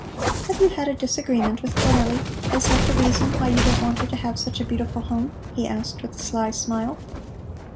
"Have you had a disagreement with Cornelli? Is that the reason why you don't want her to have such a beautiful home?" he asked with a sly smile.